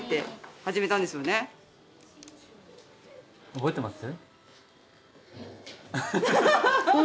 覚えてます？